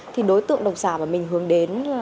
thì đối tượng độc giả mà mình hướng đến